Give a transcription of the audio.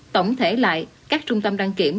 tổng thể lại các trung tâm đăng kiểm